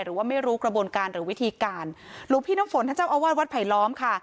หรือว่าไม่รู้กระบวนการหรือวิธีการหลวงพี่น้ำฝนท่านเจ้าอาวาสวัดไผลล้อมค่ะ